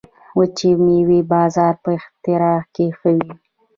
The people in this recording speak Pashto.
د وچې میوې بازار په اختر کې ښه وي